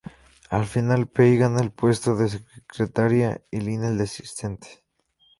Al final Pei gana el puesto de secretaria y Lin el de asistente.